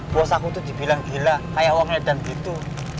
bos aku tuh dibilang gila kayak uang edan gitu